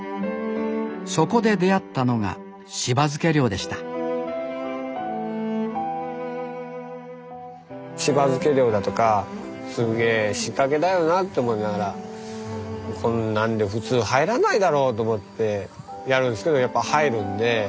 そこで出会ったのが柴漬け漁でした柴漬け漁だとかすげえ仕掛けだよなって思いながらこんなんで普通入らないだろうと思ってやるんですけどやっぱ入るんで。